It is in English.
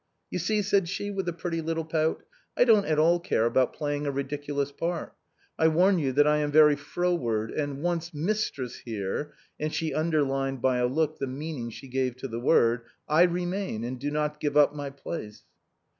"You see," said she, with a pretty little pout, " I don't at all care about playing a ridiculous part. I warn you that I am very froward, and once mistress here," and she underlined by a look the meaning she gave to the word, " I remain, and do not give up my place."